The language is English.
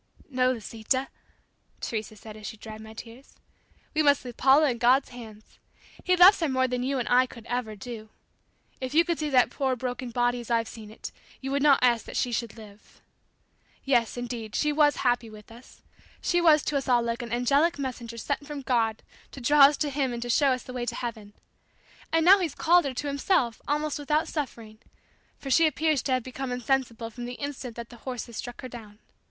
"No, Lisita," Teresa said as she dried my tears; "We must leave Paula in God's hands. He loves her more than you and I could ever do. If you could see that poor broken body as I've seen it you would not ask that she should live! Yes, indeed, she was happy with us. She was to us all like an angelic messenger sent from God to draw us to Him and to show us the way to heaven. And now He's called her to Himself almost without suffering, for she appears to have become insensible from the instant that the horses struck her down.